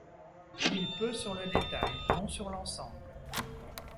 Il peut sur le détail, non sur l’ensemble.